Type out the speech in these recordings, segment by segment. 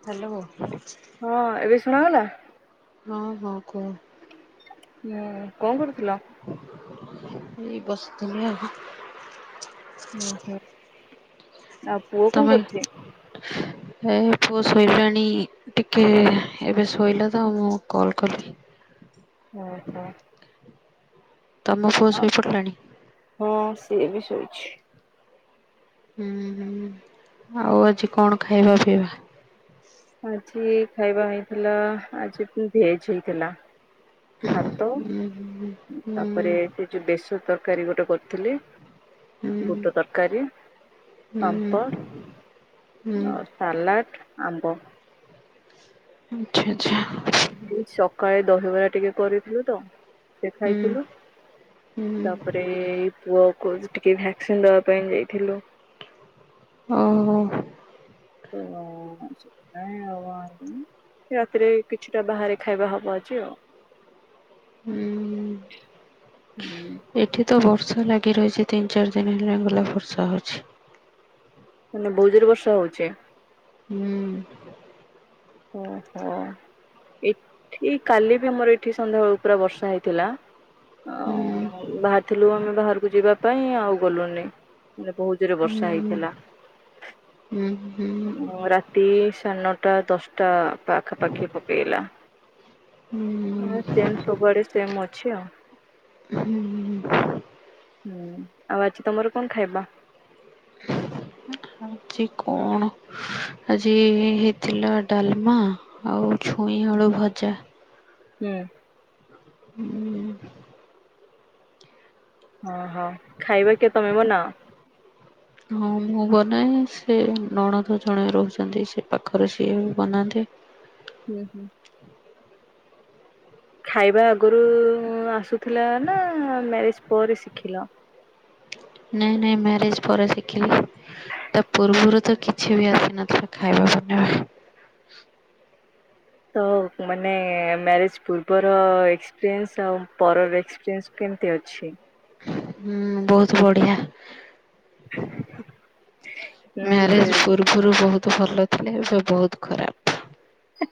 Hello ହଁ ଏବେ ଶୁଣାଗଲା ହକୁ! ହୁଁ କଣ କରୁଥିଲ? ଏ ବସ ତନ ହୁଁ ହୁଁ ଆଉ ପୁଅ କଣ ତମେ କରୁଛି? ଏ ପୁଅ ଶୋଇଲାଣି ଟିକେ ଏବେ ଶୋଇଲା ତ ମୁଁ କଲ୍ କଲି ଓ ହୋ। ତମ ପୁଅ ଶୋଇପଡ଼ିଲାଣି। ସେ ବିଷୟଛି। ହୁଁ ହୁଁ ଆଉ ଆଜି କଣ ଖାଇବା ପିଇବା? ଆଜି ଖାଇବା ହେଇଥିଲା ଆଜି ଭେଜ ହେଇଥିଲା। ଭାତ ହୁଁ ହୁଁ ହୁଁ ତାପରେ ସେ ଯୋଉ ବେସ ତରକାରୀ ଗୋଟେ କରିଥିଲି ହୁଁ ବୁଟ ତରକାରୀ ହୁଁ ପାପର୍ ହୁଁ ଓ ସାଲାଟ ଆମ୍ବ ଆଚ୍ଛା ଆଚ୍ଛା। ସକାଳେ ଦହିବରା ଟିକେ କରିଥିଲୁ ତ ସେ ହୁଁ ଖାଇଥିଲୁ ହୁଁ ତାପରେ ପୁଅକୁ ଟିକେ ଭ୍ୟାକ୍ସିନ ଦବା ପାଇଁ ଯାଇଥିଲୁ ଓ ହୋ। ଓ ସେ ଆ ରାତିରେ କିଛିଟା ବାହାରେ ଖାଇବା ହବ ଅଛି ଆଉ ହୁଁ। ହୁଁ। ଏଠି ତ ବର୍ଷା ଲାଗି ରହିଛି ତିନି ଚାରି ଦିନ ହେଲାଙ୍ଗୁଲା ବର୍ଷା ହଉଛି। ମାନେ ବୋଜରେ ବର୍ଷା ହଉଚେ ହୁଁ ଓ ହୋ। ଏଠି କାଲି ବି ଆମର ଏଠି ସନ୍ଧ୍ୟାବେଳୁ ପୁରା ବର୍ଷା ହେଇଥିଲା। ହୁଁ ଅ ବାହାରିଥିଲୁ ଆମେ ବାହାରକୁ ଯିବା ପାଇଁ ଆଉ ଗଲୁନି ମାନେ ବହୁତ ଜୋରେ ବର୍ଷା ହୁଁ ହେଇଥିଲା। ହୁଁ। ହୁଁ ରାତି ସାଢେ ନଅଟା ଦଶଟା ତ ପାଖ ପାଖି ପକେଇଲା। ହଁ ହୁଁ ସେମ ସବୁଆଡେ ସେମ ଅଛି ଆଉ। ହୁଁ। ହୁଁ ଆଉ ଆଜି ତମର କଣ ଖାଇବା? ଆଜି କଣ ଆଜି ହେଇଥିଲା ଡାଲମା ଆଉ ଛୁଇଁ ଆଳୁ ଭଜା। ହୁଁ। ହୁଁ ଓହୋ ଖାଇବା କିଏ ତମେ ବନାଅ? ହଁ ମୁଁ ବନାଏ ସେ ନଣଦ ଜଣେ ରହୁଛନ୍ତି ସେ ପାଖରେ ସିଏ ବି ବନାନ୍ତି। ହୁଁ ହୁଁ। ଖାଇବା ଆଗରୁ ଆସୁଥିଲା ନା ମ୍ୟାରେଜ ପରେ ଶିଖିଲ? ନାଇଁ ନାଇଁ ମ୍ୟାରେଜ ପରେ ଶିଖିଲି। ତା ପୂର୍ବରୁ ତ କିଛି ବି ଆସେ ନଥିଲା ଖାଇବା ବନେଇବା। ତ ମାନେ ମ୍ୟାରେଜ ପୂର୍ବର ଏକ୍ସପିରିଏନ୍ସ ଆଉର ଏକ୍ସପିରିନ୍ସ କେ କେମତି ଅଛି? ହୁଁ ବହୁତ ବଢିଆ। ମାନେ ମ୍ୟାରେଜ ପୂର୍ବରୁ ବହୁତ ତୁ ଭଲ ଥିଲେ ଏବେ ବହୁତ ଖରାପ। ହା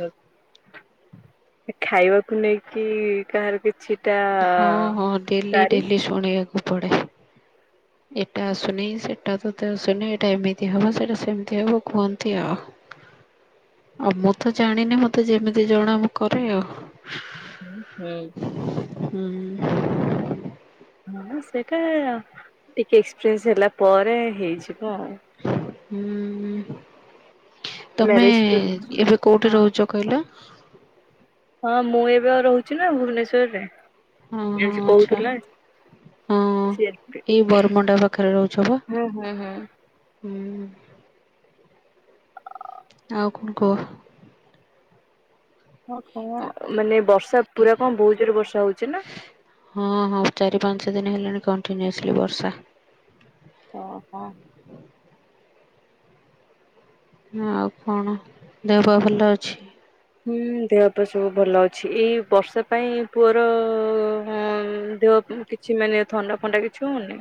ହା ଏ ଖାଇବାକୁ ନେଇକି କାହାର କିଛି ହଁ ହଁ ଡେଲି ଡେଲି ଶୁଣିବାକୁ ପଡେ। ଏଇଟା ଆସୁନି, ସେଟା ତତେ ଆସୁନି, ଏଇଟା ଏମିତି ହବ, ସେଟା ସେମିତି ହବ, କୁହନ୍ତି ଆଉ [inaudible] ଆଉ ମୁଁ ତ ଜାଣିନି ମତେ ଯେମିତି ଜଣା ମୁଁ କରେ ଆଉ ହ ହୁଁ ହୁଁ ହଁ ସେଇଟା ଟିକେ ଏକ୍ସପିରିଏନ୍ସ ହେଲା ପରେ ହେଇଯିବ ଆଉ ହୁଁ ତମେ ମ୍ୟାରେଜ ପୂର୍ବରୁ ଏବେ କୋଉଠି ହଁ ରହୁଛ କହିଲ? [unintelligible] ହଁ ମୁଁ ଏବେ ଆଉ ରହୁଛି ନା ଭୁବନେଶ୍ୱରରେ ହଁ ହଁ ଆଛା। ହଁ ସିଏ ଏଇ ବରମୁଣ୍ଡା ପାଖରେ ରହୁଛ ପା? ହୁଁ ହୁଁ ହୁଁ ହୁଁ ଉଁ ଆଉ କଣ କୁହ? ହ ହଁ ମାନେ ବର୍ଷ ବର୍ଷା ପୁରା କଣ ବହୁତ ଜୋରେ ବର୍ଷା ହଉଛି ନା? ହଁ ହଁ ଚାରି ପାଞ୍ଚ ଦିନ ହେଲାଣି କଣ୍ଟିନ୍ୟୁସଲି ବର୍ଷା। ଓହୋ। ଆଉ କଣ? ଦେହ ପା ଭଲ ଅଛି? ହୁଁ ଦେହ ପା ସବୁ ଭଲ ଅଛି, ଏଇ ବର୍ଷ ପାଇଁ ପୁଅର ଦେହ କିଛି ମାନେ ଥଣ୍ଡା ଫଣ୍ଡା କିଛିହଉନି।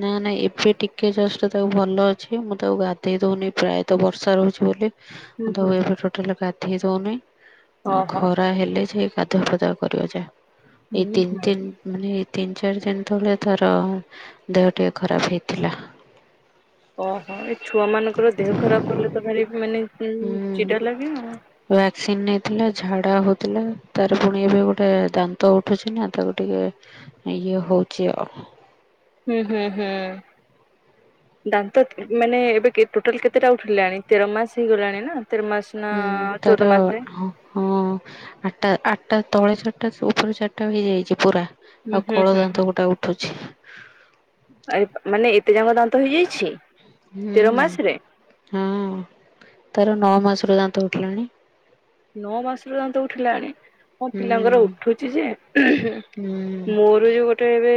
ନା ନାଇଁ ଏବେ ଟିକେ ଜଷ୍ଟ ତାକୁ ଭଲ ଅଛି, ମୁଁ ତାକୁ ଗାଧେଇ ଦଉନି ପ୍ରାୟତଃ ବର୍ଷା ରହୁଛି ବୋଲି ହୁଁ ମୁଁ ତ ହୁଁ ହୁଁ। ଏବେ ଟୋଟାଲ ଗାଧେଇ ଦଉନି ଓହୋ ଖରା ହେଲେ ସେ ଗାଧୁଆ ପାଧୂଆ କରିବା ଯା, ଏଇ ହୁଁ ତିନି ହୁଁ ଦିନ ମାନେ ତିନି ଚାରି ଦିନ ତଳେ ତାର ଦେହ ଟିକେ ଖରାପ ହେଇଥିଲା। ଓହୋ ଏଇ ଛୁଆ ମାନଙ୍କର ଦେହ ଖରାପ ହେଲେ ତ ଭାରି ମାନେ ହୁଁ ଚିଡା ଲାଗେ ଆଉ ଭକ୍ସିନ୍ ନେଇଥିଲେ ଝାଡା ହଉଥିଲା ତାର ପୁଣି ଏବେ ଗୋଟେ ଦାନ୍ତ ଉଠୁଛି ନା ତାକୁ ଟିକେ ଇଏ ହଉଛି ଆଉ ହୁଁ ହୁଁ ହୁଁ ଦାନ୍ତ ମାନେ ଏବେ କେ ଟୋଟାଲ କେତେଟା ଉଠିଲାଣି ତେର ମାସ ହେଇଗଲାଣି ନା ତେର ମାସ ନା ହୁଁ ଚଉଦ ତାର ମାସେ ହଁ ଆଠ୍ ଟା ଟା ତଳେ ଚାରିଟା ଉପରେ ଚାରିଟା ହେଇଯାଇଛି ପୁରା ହୁଁ ଆଉ ହୁଁ କଳ ହୁଁ ଦାନ୍ତ ଗୋଟା ଉଠୁଛି। [unintelligible] ଏ ମାନେ ଏତେ ଯାଙ୍କ ଦାନ୍ତ ହେଇଯାଇଛି ହୁଁ ତେର ମାସରେ? ହଁ ତାର ନଅ ମାସରୁ ଦାନ୍ତ ଉଠିଲାଣି। ନଅ ମାସରୁ ଦାନ୍ତ ଉଠିଲାଣି, ହଁ ହୁଁ ପିଲାଙ୍କର ଉଠୁଛି ଯେ ହୁଁ ମୋର ଯୋଉ ଗୋଟେ ଏବେ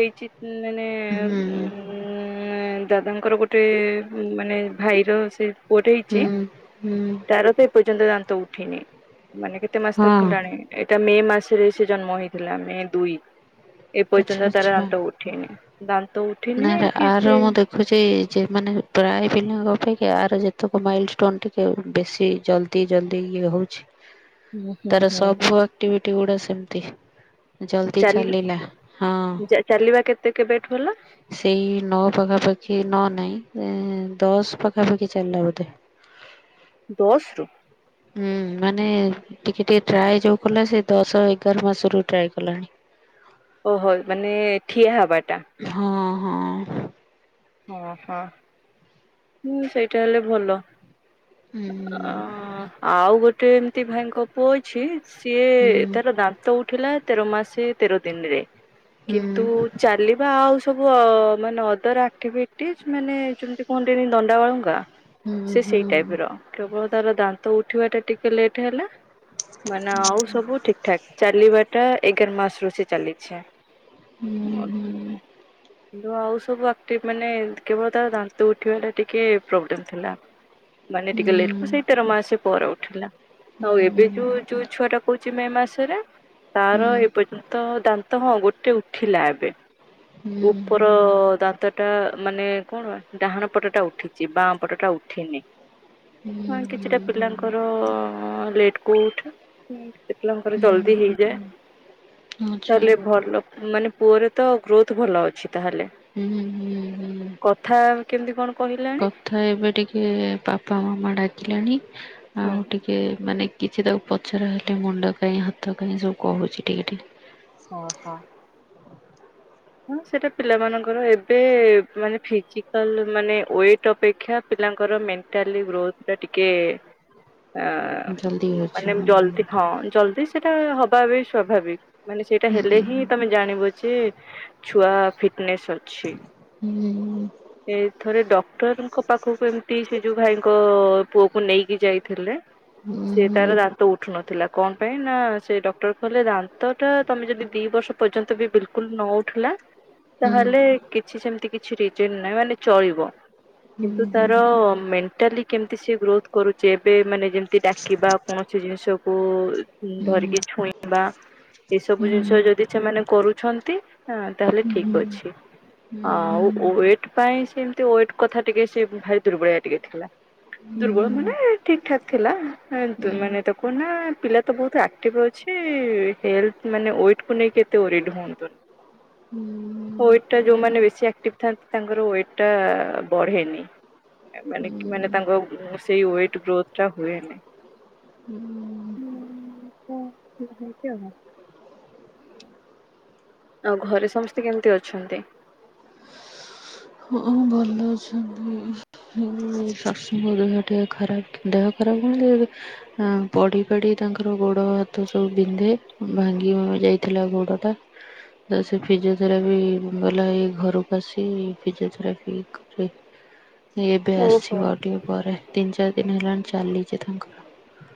ହେଇଛି ମାନେ ହୁଁ ଉଁ ଉଁ ଦାଦାଙ୍କର ଗୋଟେ ମାନେ ଭାଇର ସେ ପୁଅ ଟେ ହେଇଛି ହୁଁ ହୁଁ ତାର ତ, ଏ ପର୍ଯ୍ୟନ୍ତ ଦାନ୍ତ ଉଠିନି। ମାନେ କେତେ ମାସ ତାକୁ ହଁ ହେଲାଣି? ଏଇଟା ମେ ମାସରେ ସେ ଜନ୍ମ ହେଇଥିଲା ମେ ଦୁଇ ଏ ପର୍ଯ୍ୟନ୍ତ ତାର ଦାନ୍ତ ଉଠିନି। ଦାନ୍ତ ଉଠିନି ନା କି ଆର ସେ ମୁଁ ଦେଖୁଛି ଯେମାନେ ପ୍ରାୟ ପିଲାଙ୍କ ଅପେକ୍ଷା ଆର ଯେତେକ ମାଇଲ ଷ୍ଟୋନ ଟିକେ ବେଶୀ ଜଲ୍ଦି ଜଲ୍ଦି ଇଏ ହଉଛି ହୁଁ ହୁଁ ତାର ହୁଁ ସବୁ ଆକ୍ଟିଭିଟି ଗୁଡା ସେମତି ଜଲଦି ଚାଲି ଚାଲିଲା, ହଁ ଚାଲିବା କେତେ କେବେଠୁ ହେଲା ସେଇ ନଅ ପାଖାପାଖି ନ ନାଇଁ ଏ-ଏ-ଏ ଦଶ ପାଖାପାଖି ଚାଲିଲା ବୋଧେ। ଦଶରୁ ହୁଁ ମାନେ ଟିକେ ଟିକେ ଟ୍ରାଏ ଯୋଉ କଲା ସେ ଦଶ ଏଗାର ମାସରୁ ଟ୍ରାଏ କଲାଣି। ଓହୋ ମାନେ-ଏ-ଏ ଠିଆ ହେବା ହଁ ହଁ। ଓ ହୋ ହୁଁ ସେଇଟା ହେଲେ ଭଲ। ହୁଁ। ଆ ଆଉ ଗୋଟେ ଏମିତି ଭାଇଙ୍କ ପୁଅ ଅଛି ସିଏ ହୁଁ ହୁଁ। ତାର ଦାନ୍ତ ଉଠିଲା ତେର ମାସେ ତେର ଦିନରେ କିନ୍ତୁ ହୁଁ ଚାଲିବା ଆଉ ସବୁ-ଉ-ଉ-ଅ ମାନେ ଅଦର ଆକ୍ଟିଭିଟିଜ ମାନେ ଯେମିତି କୁହନ୍ତିନି ଦଣ୍ଡାବାଳୁଙ୍ଗା ସେ ହୁଁ ସେଇ ଟାଇପ ର କେବଳ ତାର ଦାନ୍ତ ଉଠିବା ଟା ଟିକେ ଲେଟ ହେଲା। ମାନେ ଆଉ ସବୁ ଠିକ ଠାକ ଚାଲିବା ଟା ଏଗାର ମାସରୁୁ ସେ ଚାଲିଛି। ହୁଁ ହୁଁ। କିନ୍ତୁ ଆଉ ସବୁ ଆକ୍ଟିବ ମାନେ କେବଳ ତା ଦାନ୍ତ ଉଠିବା ଟିକେ ପ୍ରୋବ୍ଲେମ ଥିଲା। ମାନେ ହୁଁ ହୁଁ ଟିକେ ଲେଟ ସେଇ ତେର ମାସ ପରେ ଉଠିଲା। ହୁଁ ହୁଁ ହୁଁ ହୁଁ ଆଉ ଏବେ ଯୋଉ ଯୋଉ ଛୁଆ ଟା କହୁଛି ମେ ମାସ ରେ ତାର ଏପର୍ଯ୍ୟନ୍ତ ଦାନ୍ତ ହଁ ଗୋଟେ ଉଠିଲା ଏବେ। ହୁଁ ହୁଁ ଉପର-ଅ-ଅ-ଅ ଦାନ୍ତ ଟା ମାନେ କଣ ଡାହାଣ ପଟଟା ଉଠିଛି ବାଁ ପଟ ଟା ଉଠିନି। ହୁଁ ହୁଁ ହୁଁ। ତାଙ୍କର-ଅ-ଅ-ଅ ଲେଟ୍ କୁ ଉଠେ କେତେ ପିଲାଙ୍କର ଜଲଦି ହେଇଯାଏ। ଆଚ୍ଛା ତାହେଲେ ଭଲ ମାନେ ପୁଅର ତ ଗ୍ରୋଥ ଭଲ ଅଛି ତାହେଲେ। ହୁଁ ହୁଁ ହୁଁ କଥା କେମତି କଣ କହିଲାଣି କଥା ଏବେ ଟିକେ-ଏ-ଏ ବାପା ମାମା ଡାକିଲାଣି ହୁଁ ଆଉ ଟିକେ ମାନେ କିଛି ତାକୁ ପଚାର ହେଲେ ମୁଣ୍ଡ କାଇଁ ହାତ କାଇଁ ସବୁ କହୁଛି ଟିକେ ଟିକେ। ଓହୋ। ହଁ ସେଟା ପିଲାମାନଙ୍କର ଏବେ ମାନେ ଫିଜିକାଲ ମାନେ ୱେଟ ଅପେକ୍ଷା ପିଲାଙ୍କର ମେଣ୍ଟାଲି ଗ୍ରୋଥ ଟା ଟିକେ ଜଲ୍ଦି ଆ-ଆ-ଆ ହଉଛି ମାନେ ହୁଁ ଜଲଦି ହଁ ଜଲଦି ସେଟା ହବା ବି ସ୍ୱାଭାବିକ। ମାନେ ସେଇଟା ହେଲେ ହୁଁ। ହିଁ ତମେ ଜାଣିବ ଯେ। ଛୁଆ ଫିଟନେସ୍ ଅଛି ଏ ଥରେ ଡ ଡକ୍ଟରଙ୍କ ପାଖକୁ ଏମିତି ସେ ଯୋଉ ଭାଇଙ୍କ-ଅ-ଅ-ଅ ପୁଅକୁ ନେଇକି ଯାଇଥିଲେ। ସେ ତାର ଦାନ୍ତ ଉଠୁ ନଥିଲା କଣ ପାଇଁ ନା-ଆ-ଆ ସେ ଡକ୍ଟର କହିଲେ ଦାନ୍ତ ଟା ତମେ ଯଦି ଦି ବର୍ଷ ପର୍ଯ୍ୟନ୍ତ ବି ବିଲକୁଲ ନ ଉଠିଲା ତାହେଲେ କିଛି ସେମିତି କିଛି ରିଜିନ ନାହିଁ ମାନେ ଚଳିବ। କିନ୍ତୁ ତାର-ଅ-ଅ-ଅ ମେଣ୍ଟାଲି କେମ ସେ ଗ୍ରୋଥ କରୁଛି ଏବେ ମାନେ ଯେମିତି ଡାକିବା କୌଣସି ଜିନିଷକୁ-ଉ-ଉ ହୁଁ ଧରିକି ଛୁଇଁବା ଏ ସବୁ ଜିନିଷ ଯଦି ସେମାନେ କରୁଛନ୍ତି ହଁ ତାହଲେ ଠିକ୍ ଅଛି। ଆଉ ଓଏଟ୍ ପାଇଁ ସେମତି ଓଏଟ୍ କଥା ଟିକେ ସେ ଭାରି ଦୁର୍ବଳିଆ ଟିକେ ଥିଲା। ଦୁର୍ବଳ ମାନେ ଠିକ ଠାକ୍ ଥିଲା। କିନ୍ତୁ ମାନେ ତା କୁହ ନା ପିଲା ତ ବହୁତ ଆକ୍ଟିଭ ଅଛି। ନ୍ତି-ଇ-ଇ ହେଲତ ମାନେ ଓଏଟକୁ ନେଇ କେତେ ଓରିଡ ହୁଅନ୍ତୁନି। ହୁଁ। ୱେଟ ଟା ଯୋଉମାନେ ବେଶୀ ଆକ୍ଟିଭ ଥାନ୍ତି ତାଙ୍କର ୱେଟ ଟା-ଆ-ଆ-ଆ ବଢେନି। ଏ ମାନେ କି ମାନେ ତାଙ୍କ ଅ ସେଇ ୱେଟ ଗ୍ରୋଥ ଟା ହୁଏନି। ଏମିତି ଆଉ ହୁଁ। ଆଉ ଘରେ ସମସ୍ତେ କେମିତି ଅଛନ୍ତି? ହଁ ଭଲ ଅଛନ୍ତି। ହଁ-ଅ-ଅ ଶାଶୁଙ୍କ ଦେହ ଟିକେ ଖରାପଥି ଦେହ ଖରାପ କଣ [unintelligible] ହଁ ପଢ଼ିପଢ଼ି ତାଙ୍କର ଗୋଡ଼, ହାତ ସବୁ ବିନ୍ଧେ। ଭାଙ୍ଗି ବ ଯାଇଥିଲା ଗୋଡ଼ ଟା। ତ ସେ ଫିଜିଓଥେରାଆଫି ଭଲ ହେଇ ଘରକୁ ଆସି ଫିଜିଓଥେରପି କରି ଏ ଏବେ ଓହୋ। ଆସିବ ଆଉ ଟିକେ ପରେ। ତିନ ଚାରି ଦିନ ହେଲାଣି ଚାଲିଛି ତାଙ୍କର।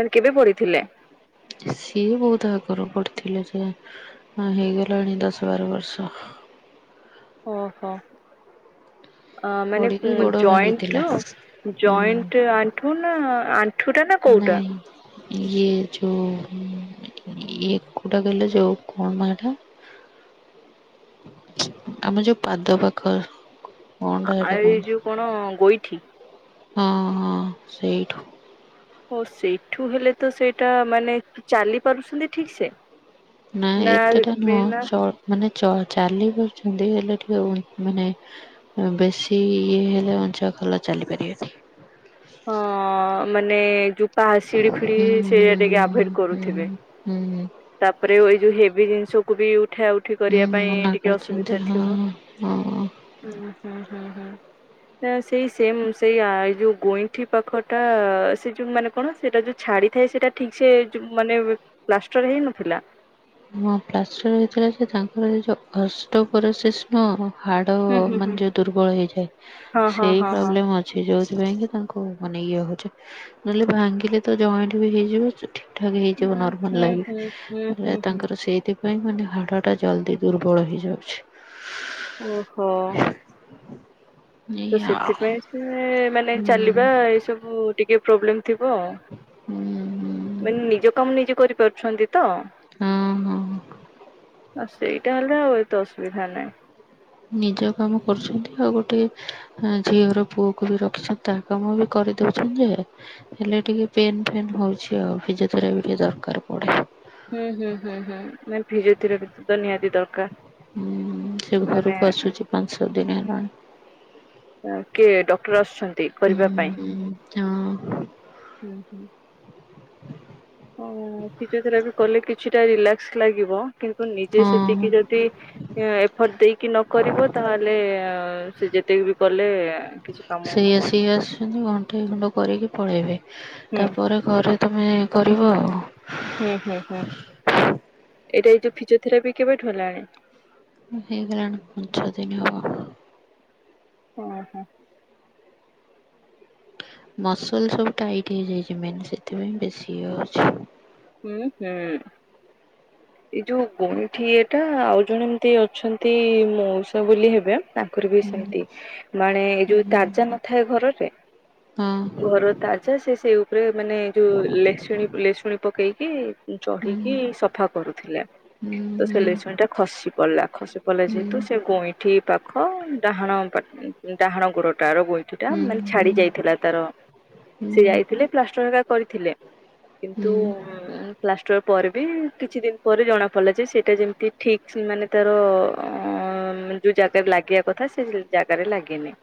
ମାନେ କେବେ ପଡ଼ିଥିଲେ? ସିଏ ବହୁତ ଆଗରୁ ବାଢ଼ିଥିଲେ ସେ ହଁ ହେଇଗଲାଣି ଦଶ ବାର ବର୍ଷ। ଓହୋ। ଅ ମାନେ ପଡିକି ଉଁ ଗୋଡ ଭାଙ୍ଗିଥିଲା। ଜଏଣ୍ଟ ରୁ ହୁଁ ଜଏଣ୍ଟ ଆଣ୍ଠୁ ନା ଆଣ୍ଠୁ ଟା ନା କୋଉଟା? ନାଇଁ ଇଏ ଯୋଉ ଇଏ କୋଉଟା ଗଲେ ଯୋ କଣ ମ ହେଠା? ଆମ ଯୋଉ ପାଦ ପାଖ ଆ କଣଟା ଆ ହେଟା ଏଇ କହନ୍ତି ଯୋଉ କଣ ଗୋଇଠି। ହଁ ହଁ ସେଇଠୁ। ହୋ ସେଇଠୁ ହେଲେ ତ ସେଇଟା ମାନେ ଚାଲି ପାରୁଛନ୍ତି ଠିକ ସେ? ନା ଏତେ ଟା ନୁହ ବିନା ଚ ମାନେ ଚଟ୍ ଚାଲି ପାରୁଛନ୍ତି ହେଲେ ଟିକେ ଉଁ ମାନେ ବେଶୀ ଇଏ ହେଲେ ଅଂଞ୍ଚା ଖଲଚ ଚାଲି ପାରିବେନି। ହଁ ମାନେ ଯୋଉ ପାସ୍ ସିଡ଼ି ଫିଡି ହୁଁ ସେ ହୁଁ ଟିକେ ହୁଁ ଆଭଏଡ ହୁଁ କରୁଥିବେ। ହୁଁ ତାପରେ ଏଇ ଯୋଉ ହେଭି ଜିନିଷକୁ ବି ଉଠା ଉଠି କରିବା ହୁଁ ପାଇଁ ମନା ଟିକେ କରିଛନ୍ତି ଅସୁବିଧା ହଁ ଥିବ- ହଁ। ହୁଁ ହୁଁ ହୁଁ ହୁଁ। ସେଇ ସେମ ସେଇ ଆ ଯୋଉ ଗଇଁଠି ପାଖଟା ସେ ଯୋଉ ମାନେ କଣ ସେଇଟା ଯୋଉ ଛା ଛାଡ଼ି ଥାଏ ସେଟା ଠିକ୍ ସେ ଯଉ ମାନେ ପ୍ଲାଷ୍ଟର ହେଇନଥିଲା? ହଁ ପ୍ଲାଷ୍ଟର ହେଇଥିଲା ଯେ ତାଙ୍କର ଯୋଉ ଅଷ୍ଟପରିଶିଷ୍ ହଁ ହାଡ ହୁଁ ହୁଁ ହୁଁ ମାନେ ଯୋଉ ଦୁର୍ବଳ ହେଇଯାଏ ହଁ ହଁ ସେଇ ହଁ ହଁ। ପ୍ରୋବ୍ଲେମ ଅଛି ଯୋଉ ସେଥିପାଇଁ କି ତାଙ୍କୁ ମାନେ ଇଏ ହଉଛି ନହେଲେ ଭାଙ୍ଗିଲେ ତ ଜଏଣ୍ଟ ବି ହେଇଯିବ ଚ ଠିକ ଠାକ ହେଇଯିବ ହୁଁ ନର୍ମାଲ ହୁଁ ଲାଇଫ ହୁଁ ହୁଁ ବଲେ ହୁଁ ହୁଁ ତାଙ୍କର ସେଇଥିପାଇଁ ମାନେ ହାଡ଼ ଟା ଜଲଦି ଦୁର୍ବଳ ହେଇଯାଉଛି। ଓହୋ। ତ ଏଇଆ ଆଉ ସେଥିପାଇଁ ସେ ମାନେ ହୁଁ ଚାଲିବା ଏଇ ସବୁ ଟିକେ ପ୍ରୋବ୍ଲେମ ଥିବ ହୁଁ ହୁଁ ମାନେ ନିଜ କାମ ନିଜେ କରିପାରୁଛନ୍ତି ତ? ହଁ ହଁ। ଆଉ ସେଇଟା ହେଲେ ଆଉ ଏତେ ଅସୁବିଧା ନାହିଁ। ନିଜ କାମ କରୁଛନ୍ତି ଆଉ ଗୋଟେ ଝିଅର ପୁଅକୁ ବି ରଖିଛନ୍ତି ତା କାମ ବି କରିଦଉଛନ୍ତି ଯେ ହେଲେ ଟିକେ ପେ ଫେନ ହଉଛି ଆଉ ଫିଜିଓଥରାପି ଟିକେ ଦରକାର ପଡେ। ହୁଁ ହୁଁ ହୁଁ ହୁଁ ଭିଜିଓ ଥରାତିର ବି ତ ନିହାତି ଦରକାର। ସେ ମାନେ ଘରକୁ ଆସୁଛି ପାଞ୍ଚ ଛଅ ଦିନ ହେଲାଣି। ଆଉ କିଏ ଡକ୍ଟର ଆସୁଛନ୍ତି କରିବା ପାଇଁ? ହୁଁ ହଁ। ହୁଁ ହୁଁ। ଆଉ ଫିଜିଓ ଥେରାପି କଲେ କିଛିଟା ରିଲାକ୍ସ ଲାଗିବ କିନ୍ ନିଜେ ହଁ ସେତିକି ଯଦି ଏଫର୍ଟ ଦେଇକି ନ କରିବ ତାହେଲେ ସେ ଯେତକି ବି କଲେ କିଛି କାମ ସେଇ ହବନି। ଆସିକି ଆସୁଛନ୍ତି ଘଣ୍ଟେଇ ଘଣ୍ଟ କରିକି ପଳେଇବେ ହୁଁ ତାପରେ ଘରେ ତୁମେ କରିବ ଆଉ। ହୁଁ ହୁଁ ହୁଁ ଏଇଟା ଏ ଯଉ ଫିଜିଓ ଥେରାପି କେବେଠୁ ହେଲାଣି? ଭଇଗଲାଣି ପାଞ୍ଚ ଦିନ ହବ। ଓହୋ। ମସଲ ସବୁ ଟାଇଟ ହେଇଯାଇଛି ମେନ ସେଥିପାଇଁ ବେଶୀ ଇଏ ହଉଛି। ହୁଁ ହୁଁ। ଏଇ ଯୋଉ ଗଇଠି ଇଏଟା ଆଉ ଜଣେ ଏମତି ଅଛନ୍ତି ମଉସା ବୋଲି ହେବେ। ତାଙ୍କର ବି ସେମିତି ମାନେ ଏ ଯୋଉ ତାଜା ନଥାଏ ଘରରେ। ହେଉଛି ହଁ ଘର ତାଜା ସେ ସେଇ ଉପରେ ମାନେ ଯୋଉ ଲେଶୁଣି ଲେଶୁଣି। ପକେଇକି ଚଢ଼ିକି ହୁଁ। ସଫା କରୁଥିଲେ। ତ ଆଚ୍ଛା ସେ ଲେଶୁଣୀ ଟା ଖସି ପଡ଼ିଲା ଖସି ପଡ଼ିଲା ଯେହେତୁ ସେ ଗୋଇଁଠି। ପାଖ ଡାହାଣ ପା ଡାହାଣ ଗୋଡ଼ ତାର ଗୋଇଠି ଟା ମାନେ ଛାଡି ଯାଇଥିଲା ତାର ସେ ଯାଇଥିଲେ ପ୍ଲାଷ୍ଟର ହେରିକା କରିଥିଲେ। ତୁମ୍ ପ୍ଲାସ ଷ୍ଟର ପରେ ବି କିଛି ଦିନ ପରେ ଜଣାପଡ଼ିଲା ଯେ ସେଇଟା ଯେମିତି ଠିକ୍ ସେ ମାନେ ତାର ଯୋଉ ଜାଗାରେ ଲାଗିବା କଥା ସେ ଜାଗାରେ ଲାଗିନି।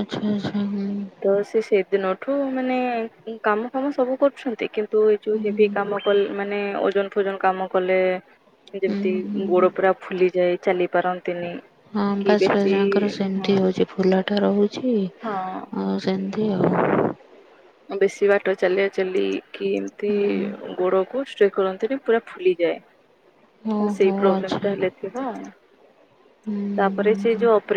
ଆଛା ଆଛା ହୁଁ। ଠୁ ମାନେ କାମ ଫାମ ସବୁ କରୁଛନ୍ତି କିନ୍ତୁ ଏ ଯୋଉ ହେଭି କାମ କଲେ ମାନେ ଓଜନ ଫୋଜନ କାମ କଲେ ହୁଁ ଏ ଯେମତି ହୁଁ। ଗୋଡ଼ ପୁରା ଫୁଲି ଯାଏ ଚାଲି ପାରନ୍ ହଁ ବାଶ ବାଶ ଆଙ୍କର ହଁ ସେମିତି ହଉଛି ଫୁଲା ଟା ରହୁଛି ହଁ ଆଉ ସେ ମତି ଆଉ। ବେଶୀ ବାଟ ଚାଲିଆ ଚାଲି କି ଏମତି ହୁଁ ଗୋଡ଼ କୁ ଷ୍ଟ୍ରେଟ କରନ୍ତିନି ପୁରା ଫୁଲି ଯାଏ। ଓ ସେଇ ହୋ ପ୍ରୋବ୍ଲେମ୍ ଆଚ୍ଛା ତାହେଲେ ହୁଁ ଥିବ ଆଉ ତାପରେ ହୁଁ ସେ ହୁଁ। ଯୋଉ ଅପ୍ରେ